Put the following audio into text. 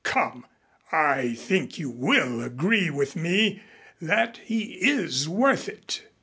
Come, I think you will agree with me that he is worth it."